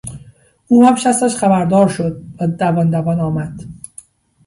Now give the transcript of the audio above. او هم شستش خبردار شد و دوان دوان آمد.